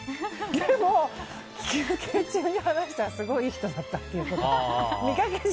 でも、休憩中に話したらすごい、いい人だったっていう。